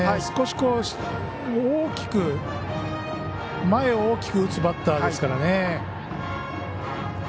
少し前を大きく打つバッターですからね。